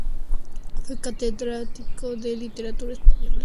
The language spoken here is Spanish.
Fue catedrático de literatura española.